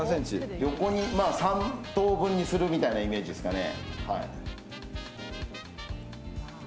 横に３等分にするみたいなイメージですかね。